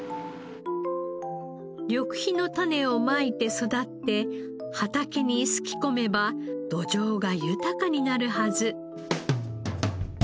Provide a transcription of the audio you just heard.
緑肥の種をまいて育て畑にすき込めば土壌が豊かになるはず。